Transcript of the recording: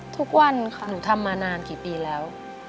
ทุกวันค่ะหนูทำมานานกี่ปีแล้ว